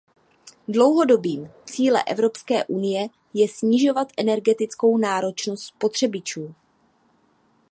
Dlouhodobým cíle Evropské unie je snižovat energetickou náročnost spotřebičů.